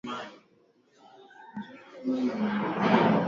Uchumi shindani pia unalinda uchumi wa ndani